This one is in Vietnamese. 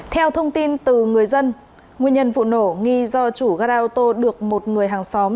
theo thông tin từ người dân nguyên nhân vụ nổ nghi do chủ gara ô tô được một người hàng xóm